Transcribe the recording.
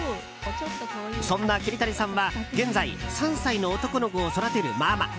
そんな桐谷さんは現在３歳の男の子を育てるママ。